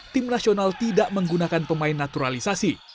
tim nasional tidak menggunakan pemain naturalisasi